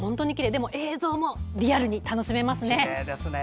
でも映像もリアルに楽しめますね。